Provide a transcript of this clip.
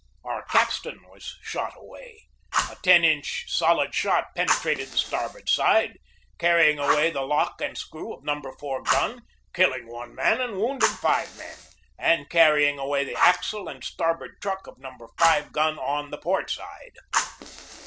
Our capstan was shot away; a lo inch solid shot penetrated the starboard side, carrying away the lock and screw of No. 4 gun, kill ing one man and wounding five men, and carrying away the axle and starboard truck of No. 5 gun on the port side.